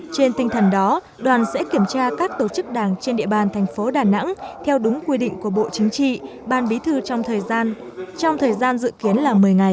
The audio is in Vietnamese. trên tinh thần đó đoàn sẽ kiểm tra các tổ chức đảng trên địa bàn thành phố đà nẵng theo đúng quy định của bộ chính trị ban bí thư trong thời gian trong thời gian dự kiến là một mươi ngày